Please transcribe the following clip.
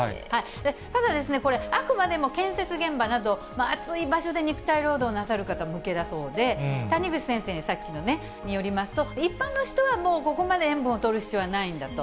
ただ、これ、あくまでも建設現場など、暑い場所で肉体労働なさる方向けだそうで、谷口先生に、さっきのね、によりますと、一般の人はもうここまで塩分をとる必要はないんだと。